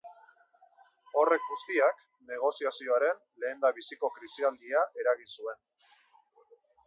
Horrek guztiak negoziazioaren lehendabiziko krisialdia eragin zuen.